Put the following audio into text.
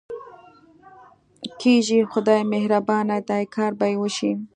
کېږي، خدای مهربانه دی، کار به یې وشي.